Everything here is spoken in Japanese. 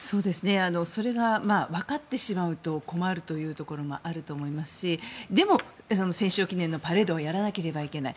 それがわかってしまうと困るというところもあると思いますしでも戦勝記念のパレードはやらなければならない。